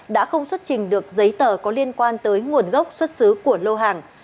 đã không xuất trình được giấy tờ có liên quan tới nguồn gốc xuất xứ của lô hàng